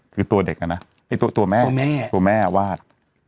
คือตัวเด็กนะตัวแม่วาด